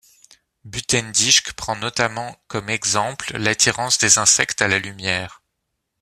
Butendijk prend notamment comme exemple l’attirance des insectes à la lumière.